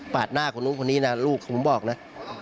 หน้าคนนู้นคนนี้นะลูกผมบอกนะ